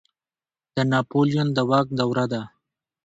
د ناپلیون د واک دوره ده.